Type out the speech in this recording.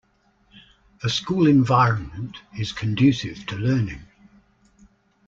A school environment is conducive to learning.